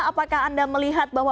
apakah anda melihat bahwa